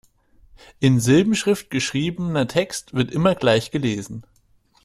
In Silbenschrift geschriebener Text wird immer gleich gelesen.